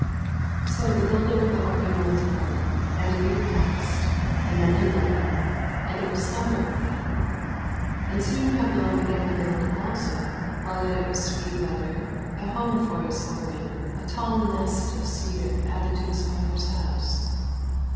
So the building of the organ went on, and a year passed, and then another, and it was summer again, and soon Hepnon began to build also — while yet it was sweet weather — a home for his organ, a tall nest of cedar added to his father's house.